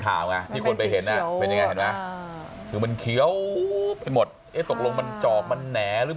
ข่าวอ่ะที่คนไปเห็นอ่ะมันเขียวไปหมดตกลงมันจอกมันแหน่หรือ